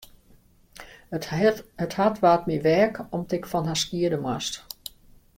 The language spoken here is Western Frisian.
It hart waard my weak om't ik fan harren skiede moast.